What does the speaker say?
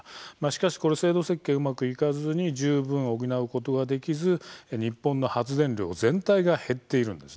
しかし制度設計、うまくいかずに十分補うことができず日本の発電量全体が減っているんです。